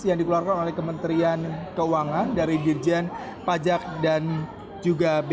yang dikeluarkan oleh kementerian keuangan dari dirjen pajak dan juga bpn